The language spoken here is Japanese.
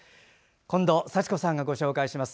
近藤幸子さんがご紹介します。